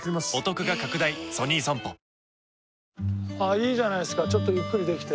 いいじゃないですかちょっとゆっくりできて。